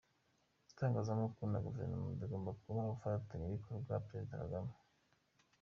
Itangazamakuru na Guverinoma bigomba kuba abafatanya bikorwa- Perezida Kagame